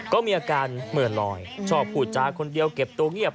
ก็มีอาการเหมือนลอยชอบพูดจาคนเดียวเก็บตัวเงียบ